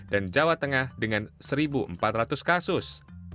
dan jawa tengah dengan satu empat ratus kasus